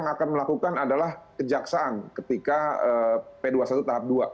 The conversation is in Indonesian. yang akan melakukan adalah kejaksaan ketika p dua puluh satu tahap dua